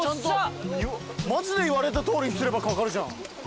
マジで言われたとおりにすればかかるじゃん。